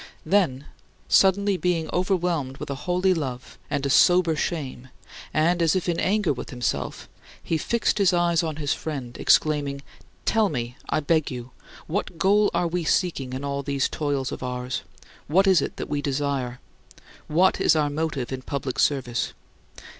" Then, suddenly being overwhelmed with a holy love and a sober shame and as if in anger with himself, he fixed his eyes on his friend, exclaiming: "Tell me, I beg you, what goal are we seeking in all these toils of ours? What is it that we desire? What is our motive in public service?